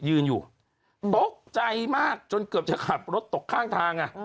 ยืนอยู่ตกใจมากจนเกือบจะขับรถตกข้างทาง